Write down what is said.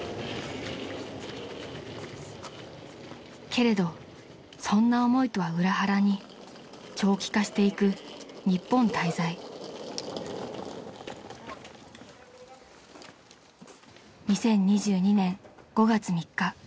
［けれどそんな思いとは裏腹に長期化していく日本滞在］［２０２２年５月３日］